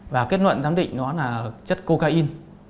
và kết luận giám định nó là chất cocaine